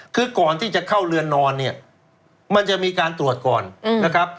คือก่อนที่จะเข้าเรือนนอนเนี่ยมันจะมีการตรวจก่อนนะครับ